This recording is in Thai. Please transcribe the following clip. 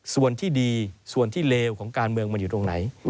ส่วนที่ดีส่วนที่เลวของการเมืองมันอยู่ตรงไหน